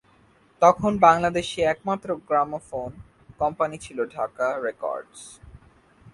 তখন বাংলাদেশে একমাত্র গ্রামোফোন কোম্পানি ছিল ঢাকা রেকর্ডস।